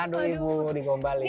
aduh ibu digombalin